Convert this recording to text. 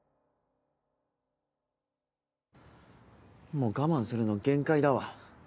もう我慢するの限界だわ。